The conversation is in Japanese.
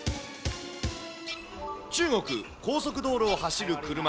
中国、高速道路を走る車。